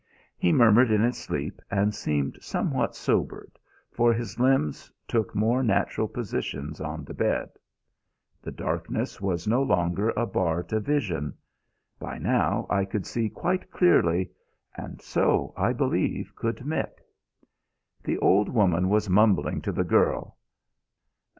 He murmured in his sleep and seemed somewhat sobered, for his limbs took more natural positions on the bed. The darkness was no longer a bar to vision. By now I could see quite clearly; and so, I believe, could Mick. The old woman was mumbling to the girl.